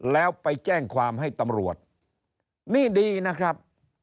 แล้วไปแจ้งความให้ตำรวจนี่ดีนะครับ